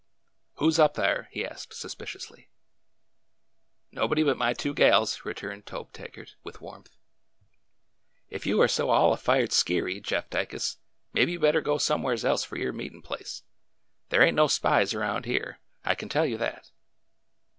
'' Who 's up thar ?'' he asked suspiciously. '' Nobody but my two gals,'' returned Tobe Taggart, with warmth. " Ef you are so all fired skeery, Jeff Dicus, maybe you 'd better go somewheres else for your meetin' place! There ain't no spies around here. I can tell you that!"